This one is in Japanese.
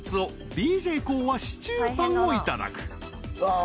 ＤＪＫＯＯはシチューパンをいただく］